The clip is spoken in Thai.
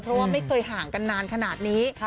เพราะว่าไม่เคยห่างกันนานขนาดนี้